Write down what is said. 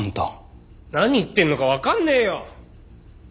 何言ってんのかわかんねえよ！